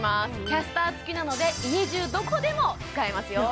キャスター付きなので家じゅうどこでも使えますよ